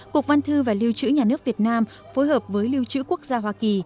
cục văn thư và lưu trữ nhà nước việt nam phối hợp với lưu trữ quốc gia hoa kỳ